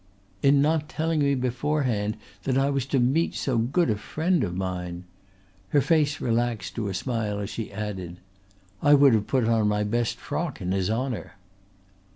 "In not telling me beforehand that I was to meet so good a friend of mine." Her face relaxed to a smile as she added: "I would have put on my best frock in his honour."